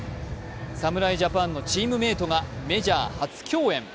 侍ジャパンのチームメイトがメジャー初競演。